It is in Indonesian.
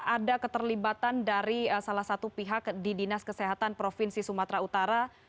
ada keterlibatan dari salah satu pihak di dinas kesehatan provinsi sumatera utara